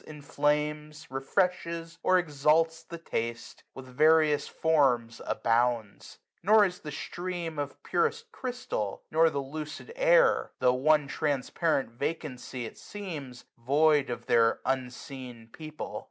Inflames, refreshes, or exalts the taste. With various forms abounds. Nor is the stream Of purest crystal, nor the lucid air, Tho* one transparent vacancy it seems, 310 Void of their unseen people.